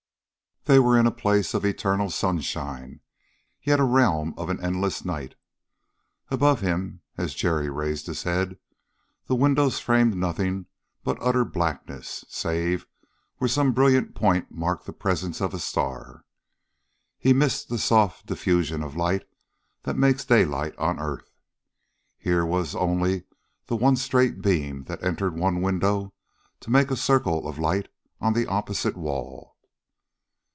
They were in a place of eternal sunshine, yet a realm of an endless night. Above him, as Jerry raised his head, the windows framed nothing but utter blackness, save where some brilliant point marked the presence of a star. He missed the soft diffusion of light that makes daylight on earth. Here was only the one straight beam that entered one window to make a circle of light on the opposite wall.